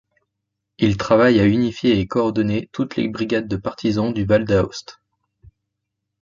Il travaille à unifier et coordonner toutes les brigades de partisans du Val d'Aoste.